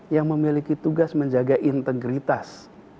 yang memiliki tugas menjaga integritas